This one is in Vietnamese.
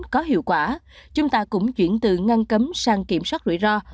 có hiệu quả chúng ta cũng chuyển từ ngăn cấm sang kiểm soát rủi ro